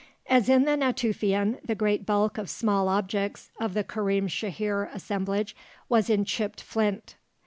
As in the Natufian, the great bulk of small objects of the Karim Shahir assemblage was in chipped flint.